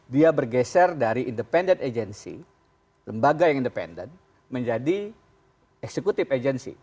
dia bergeser dari independent agency lembaga yang independen menjadi executive agency